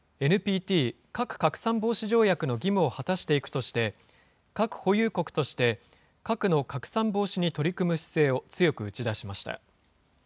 ＮＰＴ・核拡散防止条約の義務を果たしていくとして、核保有国として核の拡散防止に取り組む姿勢を強く打ち出しました。